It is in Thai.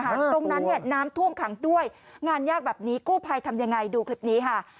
ตรงนั้นเนี่ยน้ำท่วมขังด้วยงานยากแบบนี้กู้ภัยทำยังไงดูคลิปนี้ค่ะ